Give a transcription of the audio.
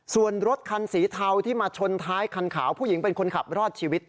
ส่วนรถคันสีเทาที่มาชนท้ายคันขาวผู้หญิงเป็นคนขับรอดชีวิต